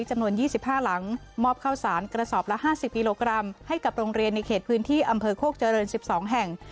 จำนวน๒๕หลังมอบข้าวสารกระสอบละ๕๐กิโลกรัมให้กับโรงเรียนในเขตพื้นที่อำเภอโคกเจริญ๑๒แห่ง